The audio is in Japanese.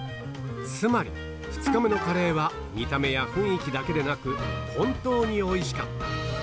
つまり、２日目のカレーは、見た目や雰囲気だけでなく、本当においしかった。